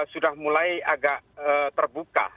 sudah mulai agak terbuka